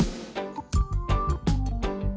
masukkan adonan tepung